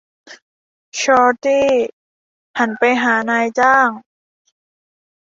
ชอร์ตี้หันไปหานายจ้าง